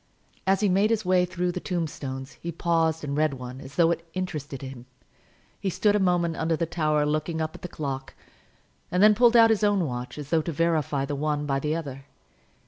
As he made his way through the tombstones he paused and read one, as though it interested him. He stood a moment under the tower looking up at the clock, and then pulled out his own watch, as though to verify the one by the other.